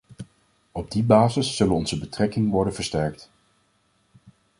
Op die basis zullen onze betrekking worden versterkt.